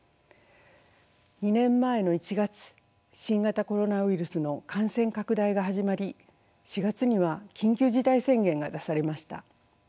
２年前の１月新型コロナウイルスの感染拡大が始まり４月には緊急事態宣言が出されました。